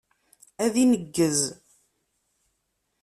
Ad ineggez.